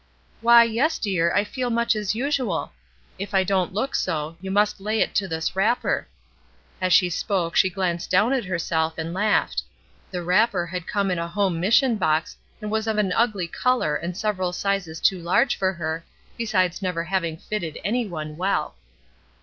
"Why, yes, dear, I feel much as usual. If I don't look so, you must lay it to this wrapper." As she spoke, she glanced down at herself, and laughed. The wrapper had come in a home mission box and was of an ugly color and several sizes too large for her, besides never having fitted any one well.